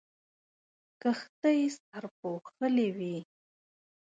کښتۍ سرپوښلې وې.